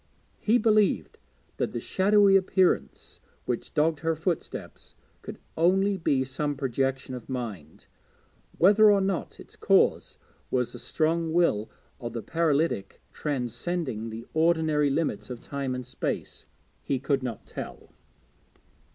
He believed that the shadowy appearance which dogged her footsteps could only be some projection of mind, whether or not its cause was the strong will of the paralytic transcending the ordinary limits of time and space, he could not tell.